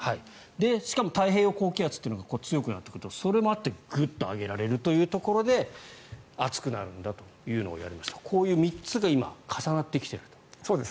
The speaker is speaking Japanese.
しかも、太平洋高気圧というのが強くなってくるとそれもあってグッと上げられるというところで暑くなるんだというのをやりましたがこういう３つが今、重なってきていると。